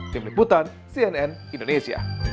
tim liputan cnn indonesia